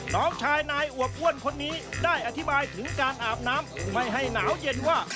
น้องชายนายอวบอ้วนคนนี้ได้อธิบายถึงการอาบน้ำไม่ให้หนาวเย็นว่า